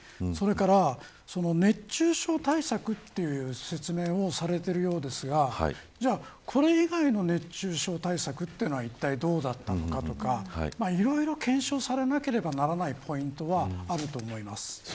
それから熱中症対策という説明をされているようですがこれ以外の熱中症対策はいったい、どうだったのかとかいろいろ検証されなければならないポイントはあると思います。